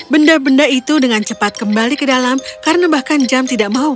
benda benda itu dengan cepat kembali ke dalam karena bahkan mereka tidak bisa menemukan